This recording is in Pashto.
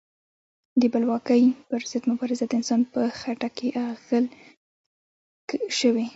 د بلواکۍ پر ضد مبارزه د انسان په خټه کې اغږل شوې.